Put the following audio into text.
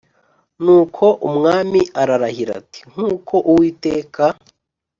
Nuko umwami ararahira ati nk uko uwiteka